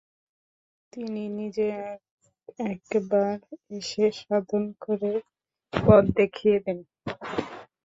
তিনি নিজে এক একবার এসে সাধন করে পথ দেখিয়ে দেন।